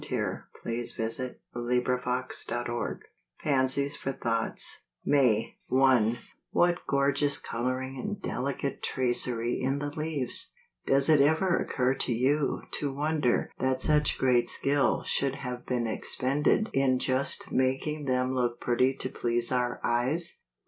The Pocket Measure. " 1 have called thee by thy name ; thou art mine " MAY. 1. What gorgeous coloring and delicate tracery in the leaves! Does it ever occur to you to wonder that such great skill should have been expended in just making them look pretty to please our eyes